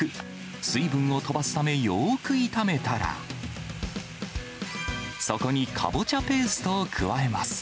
水分を飛ばすため、よーく炒めたら、そこにかぼちゃペーストを加えます。